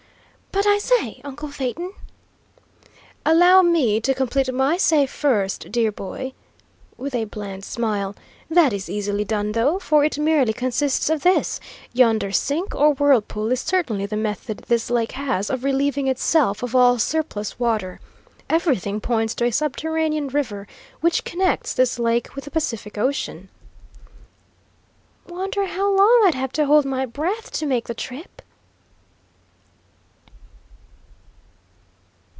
"But, I say, uncle Phaeton " "Allow me to complete my say, first, dear boy," with a bland smile. "That is easily done, though, for it merely consists of this: yonder sink, or whirlpool, is certainly the method this lake has of relieving itself of all surplus water. Everything points to a subterranean river which connects this lake with the Pacific Ocean." "Wonder how long I'd have to hold my breath to make the trip?"